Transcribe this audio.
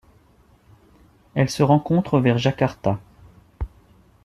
Elle se rencontre vers Jakarta.